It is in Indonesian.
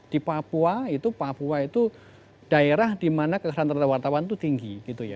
di papua itu papua itu daerah di mana kekerasan terhadap wartawan itu tinggi